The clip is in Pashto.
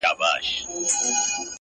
راځه د اوښکو تويول در زده کړم.